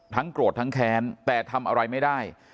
โกรธทั้งแค้นแต่ทำอะไรไม่ได้